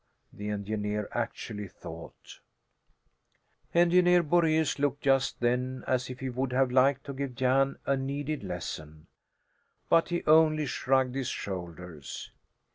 the engineer actually thought Engineer Boraeus looked just then as if he would have liked to give Jan a needed lesson, but he only shrugged his shoulders.